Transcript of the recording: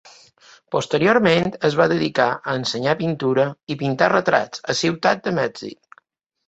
Posteriorment es va dedicar a ensenyar pintura i pintar retrats a Ciutat de Mèxic.